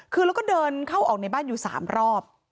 คือแล้วก็เดินเข้าออกในบ้านอยู่๓รอบ